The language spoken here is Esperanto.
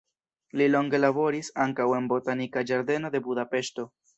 Li longe laboris ankaŭ en botanika ĝardeno de Budapeŝto.